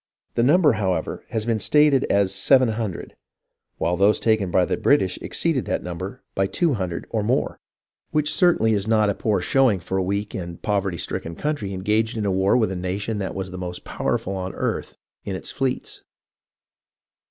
The num ber, however, has been stated as seven hundred, while those taken by the British exceeded that number by two THE STRUGGLE ON THE SEA 389 hundred or more, which certainly is not a poor showing for a weak and poverty stricken country engaged in a war with the nation that was the most powerful on earth in its fleets.